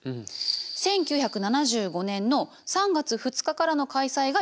１９７５年の３月２日からの開催が予定されてたの。